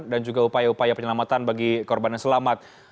dan juga upaya upaya penyelamatan bagi korban yang selamat